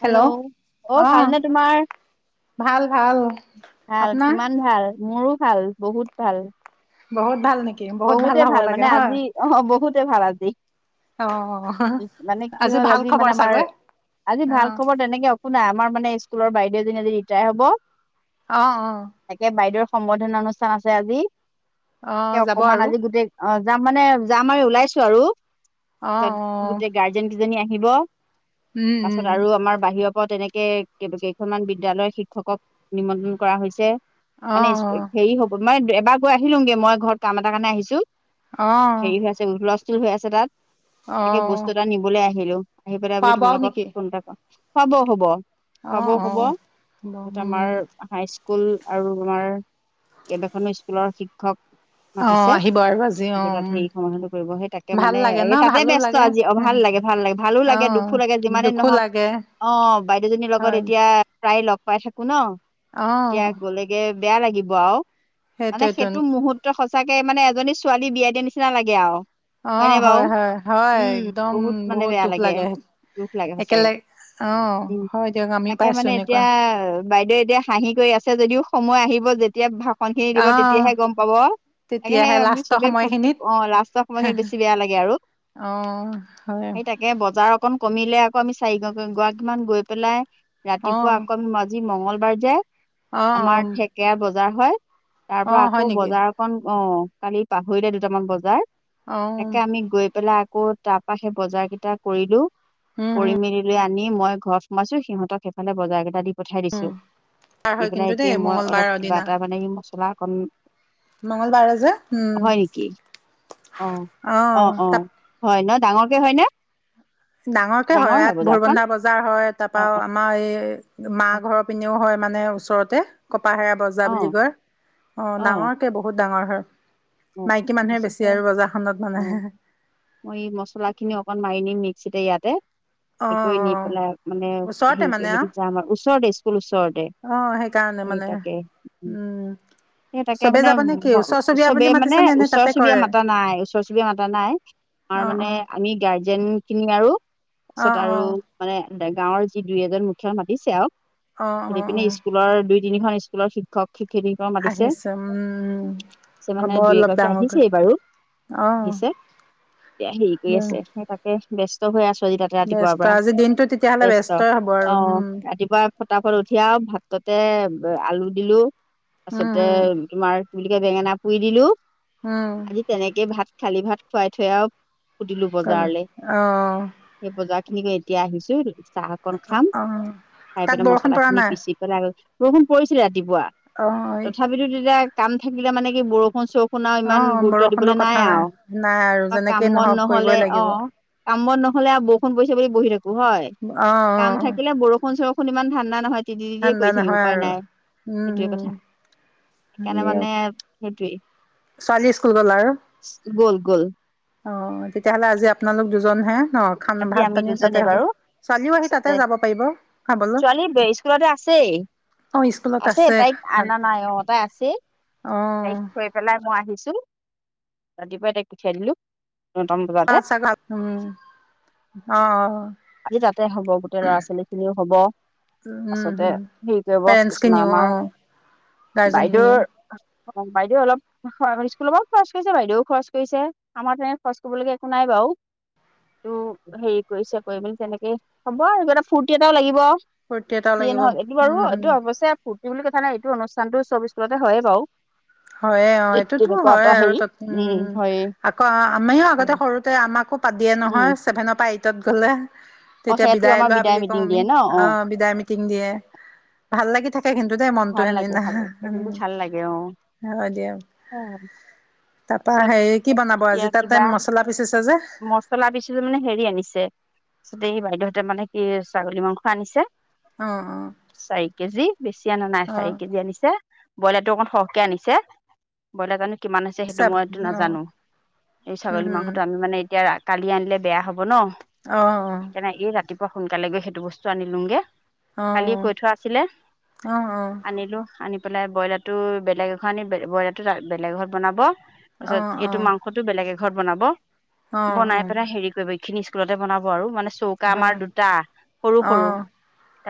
Hello অ ভালনে তোমাৰ? ভাল ভাল ভাল, আপোনাৰ কিমান ভাল? মোৰো ভাল বহুত ভাল। বহুত ভাল নেকি? বহুত বহুতে হ'ব ভাল লাগে মানে হয় আজি, অ বহুতে ভাল আজি। অ মানে কি হ'ল, ভাল আজি মানে খবৰ আমাৰ চাগৈ আজি অ ভাল খবৰ তেনেকে শুনা আামাৰ মানে স্কুলৰ বাইদেউ এজনীৰ ৰিটায় হব। অ অ। তাকে বাইদেউৰ সম্বৰ্দ্ধনা অনুষ্ঠান আছে আজি। এ অঁ যা অকমান আজি গোটেই, অ যাম মানে যাম আৰু ওলাইছোঁ। আৰু অ অ গোটেই গাড়ী গাৰ্ডিয়ন কেইজনী আহিব। উম তাৰপিছত উম আৰু আমাৰ বাহিৰৰ আকৌ তেনেকে কেইখনমান বিদ্যালয়ৰ শিক্ষকক নিমন্ত্ৰণ কৰা হৈছে। অ মানে অ হেৰি হব মই এবাৰ গৈ আহিলোগে। মই ঘৰত কাম এটা কাৰণে আহিছোঁ। অ হেৰি হৈ আছে, হুলস্থুল হৈ আছে তাত। অ তাকে বস্তু এটা নিবলৈ আহিলোঁ। আহি পেলাই খোৱা বুলি তোমাৰ বোৱাও লগত নেকি ফোন এটা কৰোঁ। হব হব। অ খোৱা বোৱাও অ হ'ব তাত আমাৰ উম হাইস্কুল আৰু আোমাৰ কেইবাখনো স্কুলৰ শিক্ষক অ মাতিছে, আহিব আৰু আজি সেই অ কিটাত সম্বৰ্দ্ধনা কৰিব। সেই তাকে ভাল মানে লাগে ন এই তাতে ভালো ব্যস্ত লাগে আজি। অ ভাল লাগে। ভাল লাগে, ভালো অ লাগে দুখো লাগে। যিমানেই দুখো নহওঁক লাগে অ বাইদেউজনীৰ লগত হয় এতিয়া প্ৰায় লগ পাই থাকো ন। অ এতিয়া গলেগে বেয়া লাগিব আৰু। মানে সেইটোৱেতোন সেইটো মুহূৰ্ত সঁচাকে মানে এজনী ছোৱালী বিয়া দিয়া নিচিনা লাগে আৰু। হয়নে অ', বাৰু, হয়, হয়, হয়, উম একদম বহুত মানে বেয়া দুখ লাগে দুখ লাগে সঁচাকে। একেলগে অ', উম, হয় দিয়ক আমিও তাকে পাইছো মানে এনেকুৱা এতিয়া বাইদেউয়ে এতিয়া হাঁহি কৰি আছে যদিও সময় আহিব যেতিয়াঁ ভাষন খিনি দিব অ', তেতিয়াহে গম পাব। তাকে তেতিয়াহে সেই আমি লাষ্টৰ চবে ফুৰ্তি সময়খিনিত অ লাষ্টৰ সময়খিন বেছি বেয়া লাগে আৰু। অঁ- হ'য়। সেই তাকে বজাৰ অকণ কমিলে আকৌ আমি চাৰি গৰাকীমান গৈ পেলাই ৰাতিপুৱাঁ অ', আকৌ আমি আজি মঙ্গলবাৰ যে অ', আমাৰ অ', থেকেৰা বজাৰ হয়। তাৰ পৰা অ', হয় আকৌ নেকি বজাৰ অকন অ কালি পাহৰিলে দুটামান বজাৰ। অ', তাকে আমি গৈ পেলাই আকৌ তাৰপৰা সেই বজাৰ কেইটা কৰিলোঁ। উম, কৰি হম, মেলি লৈ আনি নি মই ঘৰত সোমাইছোঁ সিহঁতক সেইফালে বজাৰ কেইটা দি পঠাই দিছোঁ। বাৰ দি হয় কিন্তু পেলাই দেই এতিয়া মই অলপ মঙ্গলবাৰৰ কিবা এটা মানে মছলা অকণ মঙ্গল বাৰে যে। উম, হয় নেকি, অ অ, অ হয় ন ডাঙৰকে হয় নে? ডাঙৰ কে হয়। ইয়াত ভুৰবন্ধা বজাৰ হয় অ তাৰপৰা আৰু আমাৰ আমাৰ এই মা অ ঘৰৰ পিনেও হ'য় মানে ওচৰতে কপাহেৰা বজাৰ অ বুলি কয়। অ ডাঙৰকে বহুত ডাঙৰ হয়। অ মাইকী মানুহে তাৰপিছতে বেছি আৰু বজাৰখনত অ মানে। মই মছলাখিনি অকণ মাৰি নিম মিস্যিতে ইয়াতে। অ', কৰি নি অ', পেলাই মানে ওচৰতে মানে হেৰি যাম আৰু। ওচৰতে স্কুল ওচৰতে। অ সেইকাৰণে সেই মানে তাকে উম। সেই তাকে চবেই মানে যাব নে কি ওচৰ চুবুৰীয়া বুলি চবেই মানে মাতিছে নে নে ওচৰ তাতে চুবুৰীয়া কৰে মাতা নাই। ওচৰ চুবুৰীয়া মাতা নাই। আমাৰ অ', মানে অ', আমি গাৰ্জিয়েন খিনি আৰু অ', তাৰপিছত আৰু অ', মানে গাঁৱৰ যি দুই এজন মুখিয়াল মাতিছে আৰু। অ', অ', সতি পিনে অ', স্কুলৰ দুই তিনিখন স্কুলৰ শিক্ষক শিক্ষয়িত্ৰী সকলক মাতিছে। [inaudible] আহিছে মানে দুই অলপ এগৰাকী আহিছে ডাঙৰকৈ বাৰু অ', আহিছে এতিয়া হেৰি কৰি আছে সেই তাকেই। ব্যস্ত হৈ আছোঁ আজি তাতে ৰাতিপুৱাৰ ব্যস্ত পৰা আজি দিনটো তেতিয়াহ'লে ব্যস্ত ব্যস্তই হ'ব অ আৰু উম, ৰাতিপুৱাৰ ফটাফট উঠি আৰু ভাততে আলু দিলো উম, তাৰপিছতে উম, তোমাৰ কি‌বুলি কয় বেঙেনা পুৰি দিলোঁ। উম। তেনেকে ভাত খালি ভাত খুৱাই থৈ আৰু ফুটিলো আৰু কাল বজাৰলৈ। অ', সেই বজাৰ খিনি কৈ এতিয়া আহিছোঁ চাহ অকন খাম অ', খাই তাত পেলাই বৰষুণ মছলা পৰা খিনি নাই পিচিম। আহিপেলাই বৰষুণ পৰিছিলে ৰাতিপুৱা অ', তথাপিতো তেতিয়া কাম থাকিলে মানে কি বৰষুণ চৰ- শুনাওঁ ইমান অ', গুৰুত্ব দিবলৈ বৰষুণৰ নাই কথা আও নাই আৰু বা কাম যেনেকেই বন নহওক কৰিবই নহ'লে লাগিব। অঁ। কাম বন নহ'লে বৰষুণ পৰিইছো বুলি বহি থাকো হয়ঁ। অ', কাম অ', থাকিলে বৰষুণ চৰষু- শূন ইমান ধান্ডা নহয় তিতিয়ে ঠাণ্ডা কৰি থাকিম নহয় উপায় আৰু। নাই উম, সেইটোৱে উম, কথা। সেইকাৰণে মানে সেইটোৱেই। ছোৱালি স্কুল গ'ল আৰু। গ'ল গ'ল অঁ তেতিয়াহ'লে আজি আপোনালোক দুজনহে ন। খান আজি ভাত আমি পানী তাতে দুজনে হ'ব বাৰু ছোৱালীও আহি তাতে আচলতে যাব পাৰিব খাবলো। ছোৱালী স্কুলতে আছেই অঁ স্কুলত আছে তাইক অনা খা- নাই অ তাই আছেই তাইক থৈ পেলাই মই আহিছোঁ ৰাতিপুৱাই তাইক পঠিয়াই দিলোঁ। অঁ চাগাত উমঁ অঁ অঁ। আজি তাতে হ'ব গোটেই ল'ৰা ছোৱালী খিনিও হ'ব। উম, আছলতে হেৰি কৰিব কিছুমান পেৰেণ্টছখিনিও আমাৰ অ', গাৰ্জেনখিনিও বাইদেউৰ- অঁ বাইদেউ অলপ- হয় স্কুলৰ পৰাও খৰচ কৰিছে বাইদেউও খৰচ কৰিছে আমাৰ তেনে খৰচ কৰিবলগীয়া একো নাই বাও। এইটো হেৰি কৰিছে কৰি মেলি তেনেকে হ'ব আৰু কিবা এটা ফূৰ্তি এটাও লাগিব। ফূৰ্তি এটাও সিয়ে লাগিব, নহল এইটো বাৰু উম, উম। এইটো অৱশ্যে ফূৰ্তি বুলি কথা নাই এইটো অনুষ্ঠানতটো চব স্কুলতে হয়ে বাও। হয়ে অঁ এইটোতো হঁয় আৰু হেৰি ত উমঁ উম হয় আকৌ আমিও আগতে সৰুতে আমাকো- পাবিয়ে উম নহয় ছেভেনৰ পৰা এইটত গ'লে। অ তেতিয়া সেইটো বিদায় আমাৰ লোৱা বুলি কও মিটিং আমি দিয়ে ন অ অঁ বিদায় মিটিং দিয়ে ভাল লাগি থাকে। সেই কিন্তু মনতো ভাল দেই লাগে সেদিনা- ভাল লাগে সেইদিনটো ভাল লাগে অঁ। হব দিয়া তাৰ পৰা তাৰপিছত হেৰি কি বনাব আজি তাতে মছলা পিচিছে যে। মচলা পিছো মানে হেৰি আনিছে। তাৰিছতে এই বাইদেউহঁতে মানে কি ছাগলী মাংস আনিছে- অঁ অঁ! চাৰি কেজি বেছি আনা নাই চাৰি কেজি আনিছে ব্ৰইলাৰটো অকন সৰহকে আনিছে। ব্ৰইলাৰ জানো কিমান আছে পিছা সেইটো মইটো অ নাজানো এই উম ছাগলী হম মাংসটো আমি মানে এতিয়া ৰাগ- কালি আনিলে বেয়া হ'ব ন। অঁ অঁ! কেনে এই ৰাতিপুৱা সোনকালে গৈ সেইটো বস্তু আনলোগে। অঁ অঁ অঁ - আনিলো আনি পেলাই ব্ৰইলাৰ টো বেলেগ এঘত আনি ব্ৰইলাৰ টো বেলেগ এঘত বনাব। অ তাৰপিছত এইটো মাংসটো বেলেগ এ ঘৰত বনাব অ অ বনাই পেলাই হেৰি- বাকিখিনি স্কুলতে বনাব আৰু মানে চু- চৌকা আমাৰ দুটা সৰু অ অ সৰু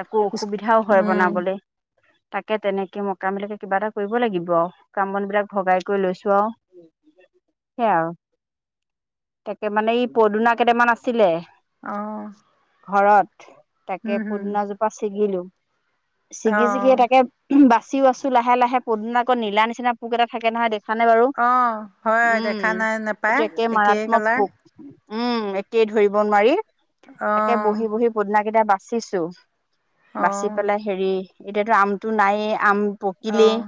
তাকো অসুবিধাও হয় উম বনাবলে। তাকে তেনেকে মকামিলাকে কিবা এটা কৰিব লাগিব আৰু কাম বন বিলাক ভগাই কৰি লৈছোঁ আও- সেই আৰু তাকে মানে এই পদুনা কেইটামান আছিলে- অঁ- ঘৰত, তাকে পুদুনা জোপা ছিগিলো। চিগি চিগি অ', তাকে, বাচিও আছো লাহে লাহে, পদিনা আকৌ নীলা নিচিনা পোক এটা থাকে নহয়, দেখ- খানে বাৰু, অ', হয় উমঁ, দেখা নাই এইটো নাপায় একে একেই মাৰাত্মক কালাৰ পোক। উমঁ, একেই ধৰিব নোৱাৰি, তাকে অ', বহি বহি - পদিনাকেইটা বাচিছো, বাচি অ', পেলাই হেৰি, এতিয়াতো আমটো নাইে আম- পকিলেই। অ',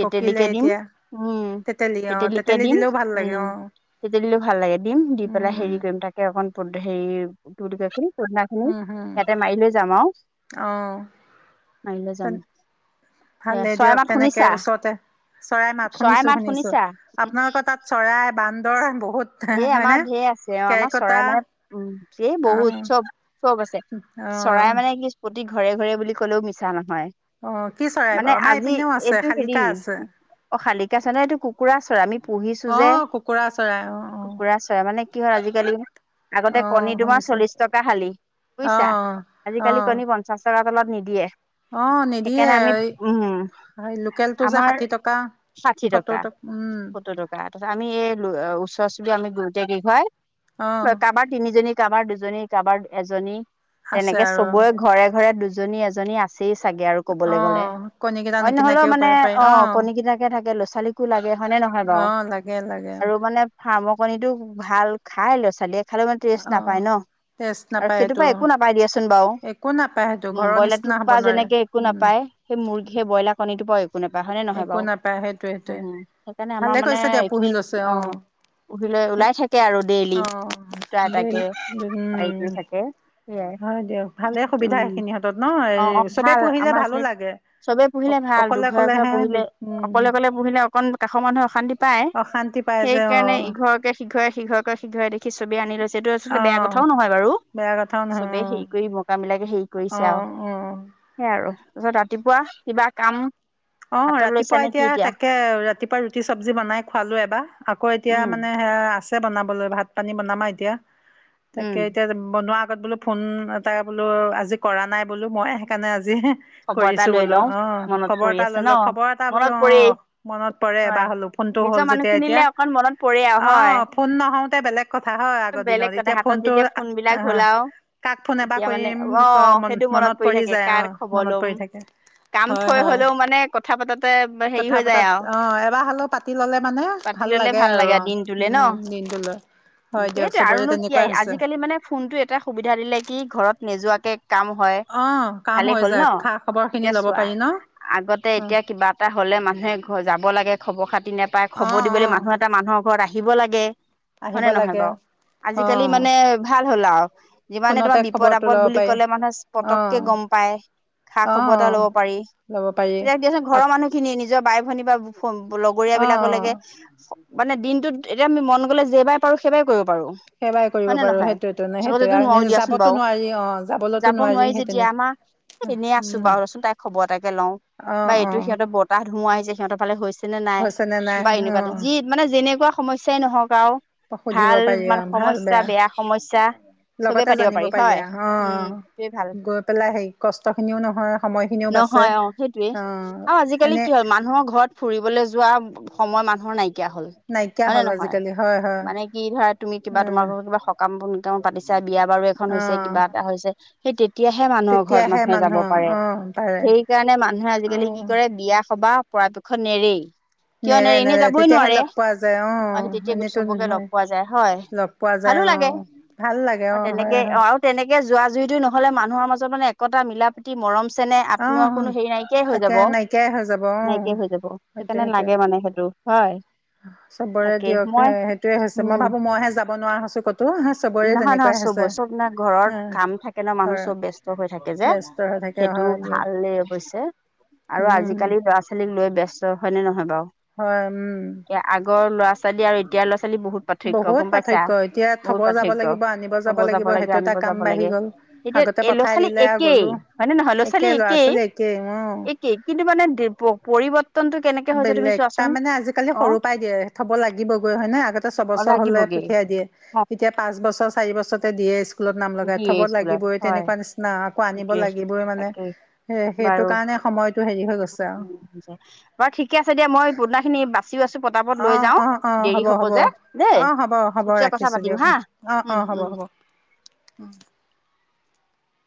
পকিলে দিম, এতিয়া উম, তেতেলী অ', তেতেলিকে তেতেলী দিম, দিলেও ভাল লাগে উম। অ', তেতেলিটো ভাল লাগে দিম, দি পেলাই উম, হেৰি কৰিম, তাকে অকণ হেৰি কি বুলি কয় [unintelligible] পদুনা খিনি উম, হম, ইয়াতে মাৰি লৈ যাম আৰু। অ'। মাৰলৈ তেন যাম। সেয়া ভালেই চৰাই দিয়ক, মাত তেনেকে শুনিছা ওচৰতে। চৰাই মাত শুনিছো, শুনিছো, আপোনালোকৰ তাত চৰাই, বান্দৰ বহুত। এই আমাৰ হয়নে? ঢেৰ আছে, অ', আমাৰ চৰাই কেৰ্কেটুৱা মানে উম, এ, বহুত অ', চব। চব আছে, চৰাই অ', মানে কি প্ৰতি ঘৰে ঘৰে বুলি ক'লেও মিছা নহয়। অ', কি চৰাই বাৰু মানে আমাৰ আজি, এইপিনেও আছে এইটো হেৰি শালিকা আছে অ', শালিকা চৰাই, নে এইটো কুকুৰা চৰাই আমি পুহিছো যে। অ', কুকুৰা চৰাই অ', অ', কুকুৰা চৰাই, মানে কি হয় আজিকালি আগতে অ', কণী তোমাৰ শুনিছোঁ চল্লিশ টকা শালি, বুজিছা, অ', আজিকালি অ', কণী প পঞ্চাছ, টকা তলত নিদিয়ে। অ', নিদিয়ে, সেইকাৰণে আমি উম এই লোকেলটো যে আমাৰ ষাঠি টকা। ষাঠি সত্তৰ টকা, উম, সত্তোৰ টকা। [unintelligible] আমি এই ওচৰ চুবুৰীয়া আমি গোটেই কেইঘৰে অ', কাৰোবাক তিনিজনী, কাৰোবাৰ দুজনী, কাৰোবাৰ এজনী, আছে তেনেকে আৰু চবৰে ঘৰে ঘৰে দুজ জনী, এজনী আছে আছেই চাগে আৰু কবলৈ গ'লে, অ', কণীকেইটা অইন নহলেও নিকিনাকেও মানে, পাই পাৰি অ', কণী কেইটাকে থাকে, ল'ৰা-ছোৱালী কো লাগে হয়নে নহয় বাৰু? অ', লাগে লাগে আৰু মানে, ফাৰ্মৰ কণীটো ভাল খাই ল'ৰা-ছোৱালীয়ে। খালেও মানে টেষ্ট অ', নাপায় ন'। টেষ্ট আৰু নাপায় সেইটোৰ সেইটো পৰা একো নাপাই দিয়াচোন বাৰু, একো নাপায় সেইটো উম, ঘৰৰ ব্ৰইলাৰটোৰ নিচিনা হ'ব পৰা নোৱাৰে যেনেকে একো উম, নাপায়, সেই মুৰ্গী সেই, ব্ৰইলাৰ কণীটোৰ পৰা একো নাপাই, হয়নে নহয় একো বাৰু? নাপায় সেইটোৱে সেইটোৱে সেইকাৰণে আমাৰ ভালে মানে, কৰিছে দিয়া পুহি লৈছে এইখিনিত অ' পূহিলৈ ওলাই থাকে আৰু ডেইলি, অ', দুটা, দেই এটাকে, উম, বাৰীতে থাকে। সেইয়াই, হয় দিয়ক ভালে সুবিধা উম। সেইখিনি ন', এই অ অ চবে ভাল পুহিলে আমাৰ ভালো এইখিনিত লাগে। চবে পুহিলে ভাল, দু অকলে ঘৰ এঘৰে অকলেহে পুহিলে, উম অকলে, অকলে পুহিলে, অকণ কাষৰ মানুহে অশান্তি পাই, অশান্তি পাই যে অ সেইকাৰণে ইঘৰকে সিঘৰে, সিঘৰকে সিঘৰে, দেখি চবে আনি লৈছেটো অ আচলতে বেয়া কথাও নহয় বাৰু, বেয়া কথাও নহয় চবে হেৰি কৰি মকা মিলাকে হেৰি অ কৰিছে আৰু। অ'। সেইয়াই আৰু, তাৰপিছত ৰাতিপুৱা কিবা কাম। অ', হাতত লৈছা ৰাতিপুৱা নে কি এতিয়া তাকে, ৰাতিপুৱা ৰুটি চব্জি বনাই খোৱালোঁ এবাৰ। আকৌ এতিয়া উম মানে সেয়া আছে বনাবলৈ, ভাত-পানী বনাম আৰু এতিয়া। উম তাকে এতিয়া, বনোৱা আগত বোলো ফোন এটা বোলো আজি কৰা নাই বোলো মই, সেইকাৰণে আজি খবৰ এটা কৰিছো লৈ বোলো, লওঁ অ', মনত খবৰ পৰি এটা আছে ন খবৰ এটা বোলো মনত পৰি অ', মনত পৰে হয় এবাৰ হ'লও ফোনটো হ'ল নিজৰ যেতিয়া, এতিয়া। মানুহখিনিলে অকণ মনত পৰে আৰু হয় আহ, ফোন নহওতে বেলেগ কথা হয়, আগৰ বেলেগ দিনত, কথা এতিয়া হাতত ফোনটো যেতিয়া ফোন বিলাক আহ হ'ল আৰু কাক ফোন এবাৰ তেতিয়া মানে কৰিম, অ সেইটো মনত মন-মনত পৰি থাকে যায় কাৰ অ'। খবৰ মনত লম পৰি থাকে, কাম হয়, থৈ হয়। হলেও মানে কথা পাতাতে হেৰি কথা হৈ যায় পতাত আৰু অ', এবাৰ হ'লেও পাতি ল'লে মানে পাতি ভাল ললে লাগে আৰু অ', দিনটোলে ন উম, দিনটো লৈ। সেইটোৱে আৰুনো কি আজিকালি মানে ফোনটোৱে সুবিধা দিলে কি ঘৰত নোযোৱাকে কাম হয়। অ'। কাম ভালেই হ'ল হৈ ন যাক খা খবৰ খিনি এতিয়া ল'ব চোৱা পাৰি ন আগতে অ' এতিয়া কিবা এটা হ'লে মানুহে ঘৰ যাব লাগে খবৰ খাতি নাপায় খবৰ অ' দিবলৈ অ' মানুহ এটা মানুহৰ ঘৰত আহিব লাগে। আহিব হয়নে নহয় লাগে বাৰু আজিকালি অ' মানে ভাল হ'ল আৰু যিমানে ফোনতে তোমাৰ বিপদ খবৰটো ল'ব আপদ বুলি পাৰি ক'লে মানুহে অ' পটককে গম পায়। খা অ' খবৰ এটা অ' ল'ব পাৰি ল'ব তেতিয়া দিয়াচোন ঘৰৰ পাৰি মানুহ খিনি নিজৰ বাই ভনী বা লগৰীয়া অ বিলাক অ লৈকে মানে দিনটোত এতিয়া আমি মন গ'লে যেবাই পাৰোঁ সেইবাৰে কৰিব পাৰোঁ। সেৱাই কৰিব হয় নে পাৰো নহয় সেইটোৱেতো ন আগতেতো সেইটোৱে নোৱাৰো দিয়াচোন যাবতো বাৰু নোৱাৰি অ যাবলৈতো যাব নোৱাৰি সেই যেতিয়া তেনেকুৱা আমাৰ এনেই আছোঁ উম বাৰু ৰ চোন তাই খবৰ এটাকে লওঁ অ বা অ এইটো সিহঁতে বতাহ ধুমুহা আহিছে সিহঁতৰ ফালে হৈছে চেনে নাই হৈছেনে নাই বা অ এনেকুৱা যি মানে যেনেকুৱা সমস্যাই নহওঁক সুধিব আৰু পাৰি অ ভাল সমস্যা বেয়া সমস্যা চবে লগতে পাতিব জানিব পাৰি হয় আ অ উম সেইটোৱে ভাল গৈ পেলাই হেৰি কষ্টখিনিও নহয় সময়খিনিও বাচে নহয় অ সেইটোৱে আৰু আজিকালি কি হ'ল অ'এনেই মানুহৰ ঘৰত ফুৰিবলৈ যোৱা সময় মানুহৰ নাইকিয়া হ'ল। নাইকিয়া হয় নে হ'ল নহয় আজিকালি হয়। হয় মানে কি ধৰা তুমি কিবা উম তোমাৰ ঘৰত কিবা সকাম পাতিছা বিয়া বাৰু এখন অ হৈছে কিবা এটা হৈছে। সেই তেতিয়াহে মানুহৰ ঘৰত তেতিয়াহে মা যাব মানুহ পাৰে অ পাৰে সেই কাৰণে মানুহে অ আজিকালি কি কৰে বিয়া-সবাহ পৰাপক্ষত নেৰেই কিয় নেৰে এনে যাবই তেতিয়াহে নোৱাৰে লগ পোৱা যায় অ আৰু তেতিয়া এনেতো চবকে লগ নহয় পোৱা যায় হয়। লগ পোৱা ভালো যায় লাগে অঁ ভাল লাগে আৰু অঁ হয় তেনেকে হয় অ' তেনেকে যোৱা যুৰিটো নহ'লে মানুহৰ মাজত মানে একতা মিলা প্ৰি তি মৰম চেনেহ আত্মীয় অঁ কোনো হেৰি নাইকিয়াই হৈ একে যাব। নাইকিয়াই হৈ যাব অঁ নাইকিয়াই হৈ যাব সেইটোৱে সেইকাৰণে সেইটোৱে লাগে মানে সেইটো হয়। চবৰে তাকে দিয়ক মই সেইটোয়ে হৈছে মই উম ভাবোঁ মই হে যাব নোৱাৰা হৈছোঁ কতো। চবৰে নহয় তেনেকুৱাই নহয় চব হৈছে চব ন ঘৰত হা কাম থাকে ন মানুহ ঘৰ চব ব্যস্ত হৈ থাকে যে। ব্যস্ত হৈ থাকে সেইটো হয় দিয়ক ভালেই অৱশ্যে আৰু উম আজিকালি ল'ৰা ছোৱালীক লৈ বস্ত হয়নে নহয় বাৰু। হয় উম। এ আগৰ ল'ৰা- ছোৱালী আৰু এতিয়াৰ ল'ৰা- ছোৱালী পাৰ্থক্য বহুত গম পাইছা। পাৰ্থক্য এতিয়া বহুত থ'ব যাব পাৰ্থক্য লাগিব আনিব থব যাব লাগিব লাগে সেইটো এটা আনিব কাম যাব বাঢ়ি লাগে গ'ল এতিয়া আগতে পঠাই ল'ৰা-ছোৱালী দিলে আৰু একেই। গ'লোঁ হয়নে নহয় একে ল'ৰা-ছোৱালী ল'ৰা একেই ছোৱালী অঁ একেই কিন্তু মানে পৰিৱৰ্তনটো কেনেকে হৈছে তুমি বেলেগ চোৱাচোন তাৰ মানে আজিকালি অ সৰু পৰাই দিয়ে থব লাগিবগৈ হয় নে আগতে ছয় অ বছৰ হ'লে লাগিবগে পঠিয়াই দিয়ে। এতিয়া পাঁচ বছৰ চাৰি বছৰতে দিয়ে স্কুলত নাম লগাই দিয়ে থ'বত স্কুলত লাগিবই হয় তেনেকুৱা নিচিনা না আকৌ আনিব সেইটোৱে লাগিবই মানে তাকেই বাৰু সেইটো কাৰণে সময়টো হেৰি হৈ গৈছে আৰু বাৰু ঠিকে আছে দিয়া মই পদুনা খিনি বাচিও আছোঁ। পতা পত লৈ অঁ যাওঁ অঁ অঁ দেৰি হব যে দেই পিছত কথা পাতিম হা। অ', উম অ' হ'ব উম হ'ব